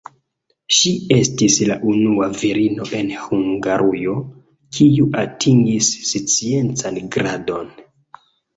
Ŝi estis la unua virino en Hungarujo, kiu atingis sciencan gradon.